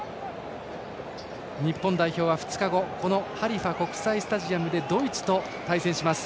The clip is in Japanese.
日本代表は２日後このハリファ国際スタジアムでドイツと対戦します。